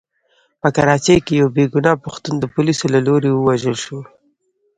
په کراچۍ کې يو بې ګناه پښتون د پوليسو له لوري ووژل شو.